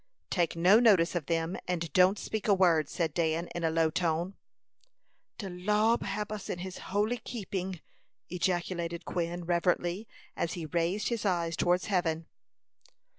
"Take no notice of them, and don't speak a word," said Dan, in a low tone. "De Lo'd hab us in his holy keeping!" ejaculated Quin, reverently, as he raised his eyes towards heaven.